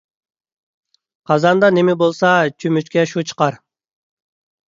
قازاندا نىمە بولسا چۆمۈچكە شۇ چىقار.